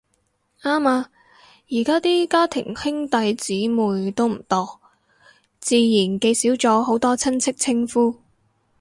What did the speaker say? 啱呀，而家啲家庭兄弟姊妹都唔多，自然記少咗好多親戚稱呼